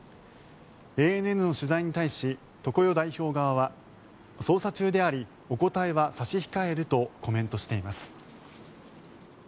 ＡＮＮの取材に対し常世代表側は捜査中でありお答えは差し控えるとコメントしています。